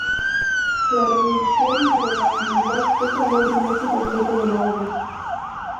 La redención de la humanidad es el móvil más importante de la obra.